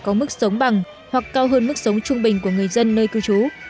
có mức sống bằng hoặc cao hơn mức sống trung bình của người dân nơi cư trú